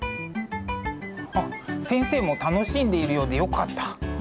あっ先生も楽しんでいるようでよかった。